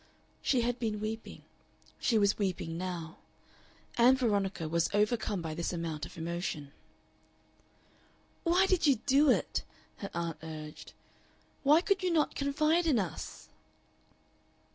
She had been weeping. She was weeping now. Ann Veronica was overcome by this amount of emotion. "Why did you do it?" her aunt urged. "Why could you not confide in us?"